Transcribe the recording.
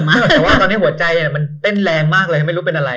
แต่ว่าตอนนี้หัวใจมันเต้นแรงมากเลยไม่รู้เป็นอะไร